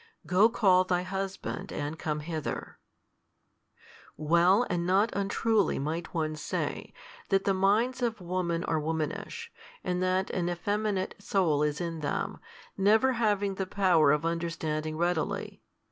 Go call thy husband, and come hither. Well and not untruly might one say, that the minds of woman are womanish, and that an effeminate soul is in them, never having the power of understanding readily.